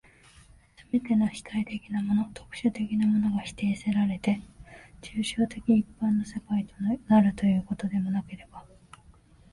すべての主体的なもの、特殊的なものが否定せられて、抽象的一般の世界となるということでもなければ、